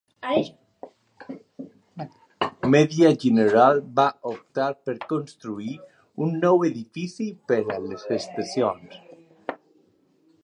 Media General va optar per construir un nou edifici per a les estacions.